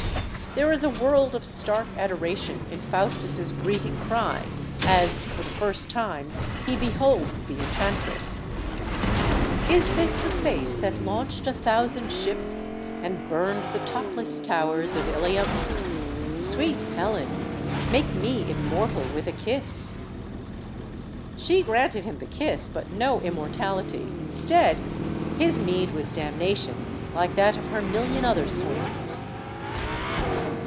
There is a world of stark adora tion in Faustus' greeting cry, as, for the first time, he beholds the enchantress: "Is this the face that launched a thousand ships And burned the topless towers of Ilium? Sweet Helen, make me immortal with a kiss I" HELEN OF TROY 87 She granted him the kiss, but no immortality; in stead, his meed was damnation, like that of her million other swains.